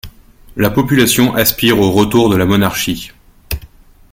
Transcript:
La population aspire au retour de la monarchie.